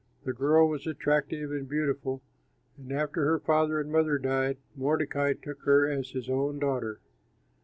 The girl was attractive and beautiful, and after her father and mother died, Mordecai took her as his own daughter.